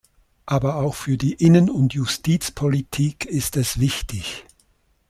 Aber auch für die Innen- und Justizpolitik ist es wichtig.